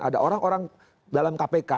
ada orang orang dalam kpk